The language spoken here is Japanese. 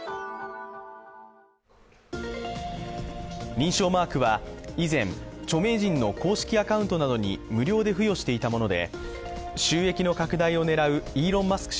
認証マークは以前著名人の公式アカウントなどに無料で付与していたもので収益の拡大を狙うイーロン・マスク